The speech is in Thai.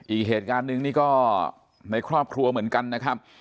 อีกเหตุการณ์หนึ่งนี่ก็ในครอบครัวเหมือนกันนะครับ